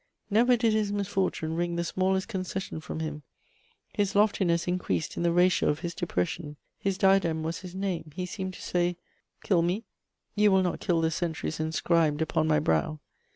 Never did his misfortune wring the smallest concession from him; his loftiness increased in the ratio of his depression; his diadem was his name; he seemed to say, "Kill me, you will not kill the centuries inscribed upon my brow."